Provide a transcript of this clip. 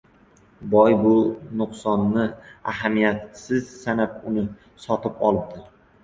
Boy bu nuqsonni ahamiyatsiz sanab, uni sotib olibdi.